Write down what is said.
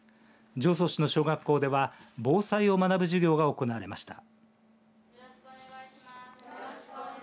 常総市の小学校では防災を学ぶ授業が行われました。